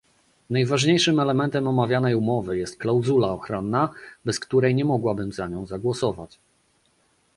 Najważniejszym elementem omawianej umowy jest klauzula ochronna, bez której nie mogłabym za nią zagłosować